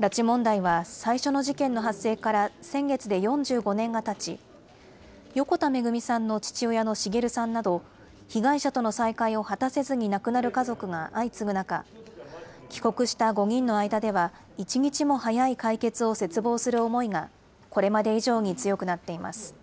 拉致問題は、最初の事件の発生から先月で４５年がたち、横田めぐみさんの父親の滋さんなど、被害者との再会を果たせずに亡くなる家族が相次ぐ中、帰国した５人の間では、一日も早い解決を切望する思いが、これまで以上に強くなっています。